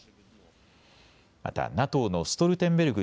またＮＡＴＯのストルテンベルグ